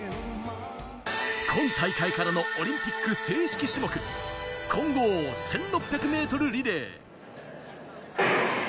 今大会からのオリンピック新種目、混合１６００ｍリレー。